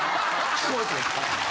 聞こえた？